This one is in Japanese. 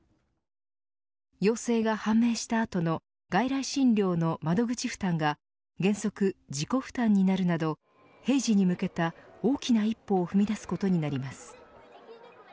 陽性が判明した後の外来診療の窓口負担が原則、自己負担になるなど平時に向けた大きな一歩を踏み出すことになります。